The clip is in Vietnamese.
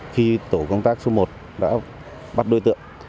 khi tổ công tác số một đã bắt đối tượng